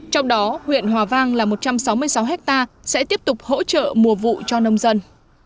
trong đó huyện hòa vang là một trăm sáu mươi sáu hectare sẽ tiếp tục hỗ trợ mùa vụ cho nông dân